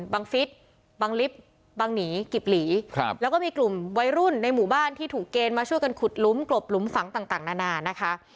ฟิศบังลิฟต์บังหนีกิบหลีแล้วก็มีกลุ่มวัยรุ่นในหมู่บ้านที่ถูกเกณฑ์มาช่วยกันขุดหลุมกลบหลุมฝังต่างนานานะคะ